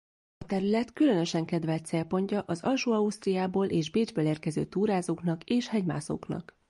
A terület különösen kedvelt célpontja az Alsó-Ausztriából és Bécsből érkező túrázóknak és hegymászóknak.